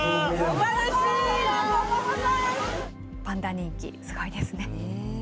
パンダ人気、すごいですね。